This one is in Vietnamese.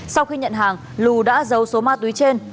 sau khi nhận hàng lù đã giấu số ma túy trên